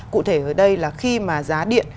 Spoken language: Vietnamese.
cụ thể ở đây là khi mà giá điện